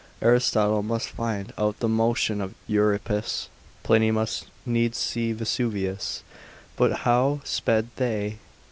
Aristotle must find out the motion of Euripus; Pliny must needs see Vesuvius, but how sped they?